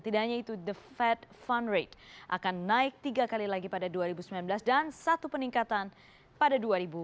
tidak hanya itu the fed fund rate akan naik tiga kali lagi pada dua ribu sembilan belas dan satu peningkatan pada dua ribu dua puluh